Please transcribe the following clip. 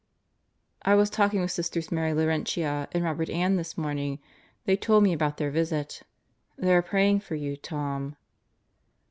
"I was talking with Sisters Mary Laurentia and Robert Ann this morning. They told me about their visit. They are praying for you, Tom."